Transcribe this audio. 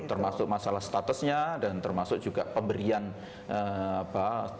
termasuk masalah statusnya dan termasuk juga pemberian apa